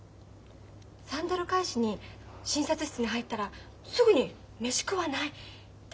サンダル返しに診察室に入ったらすぐに「飯食わない？」だって。